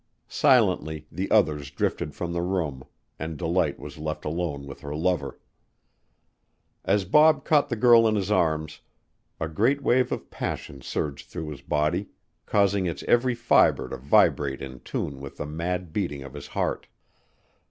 Silently the others drifted from the room and Delight was left alone with her lover. As Bob caught the girl in his arms, a great wave of passion surged through his body, causing its every fiber to vibrate in tune with the mad beating of his heart.